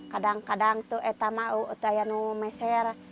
kadang kadang itu kita mau kita yang mesir